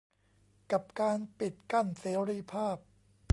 กับการปิดกั้นเสรีภาพ